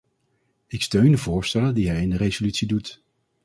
Ik steun de voorstellen die hij in de resolutie doet.